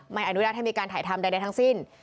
อนุญาตให้มีการถ่ายทำใดทั้งสิ้น